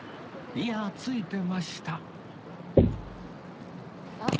いやあついてました